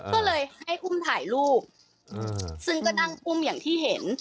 ก็เลยให้อุ้มถ่ายรูปซึ่งก็นั่งอุ้มอย่างที่เห็น